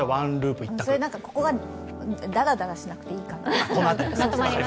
ここが、だらだらしなくていいかなと。